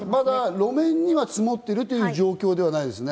路面に積もってる状況ではないですね。